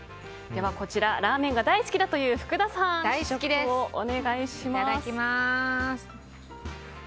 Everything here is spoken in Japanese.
こちら、ラーメンが大好きだという福田さんいただきます。